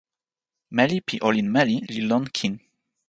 meli pi olin meli li lon kin.